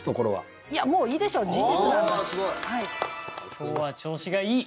今日は調子がいい！